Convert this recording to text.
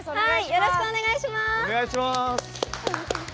よろしくお願いします！